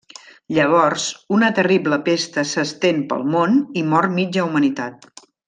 Llavors, una terrible pesta s'estén pel món i mor mitja Humanitat.